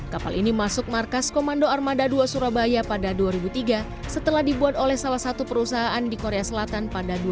kapal ini masuk markas komando armada dua surabaya pada dua ribu tiga setelah dibuat oleh salah satu perusahaan di korea selatan